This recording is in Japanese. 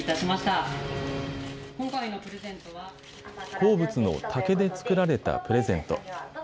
好物の竹で作られたプレゼント。